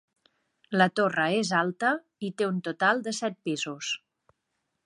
La torre és alta i té un total de set pisos.